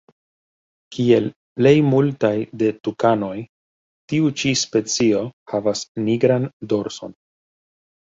Kiel plej multaj de tukanoj tiu ĉi specio havas nigran dorson.